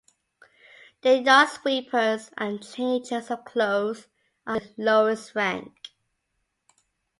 The yard sweepers and changers of clothes are in the lowest rank.